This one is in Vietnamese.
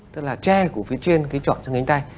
tức là che của phía trên cái trọn xương cánh tay